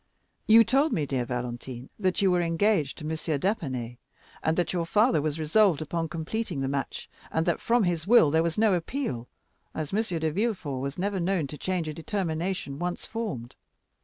You told me, my dear Valentine, that you were engaged to M. d'Épinay, and that your father was resolved upon completing the match, and that from his will there was no appeal, as M. de Villefort was never known to change a determination once formed.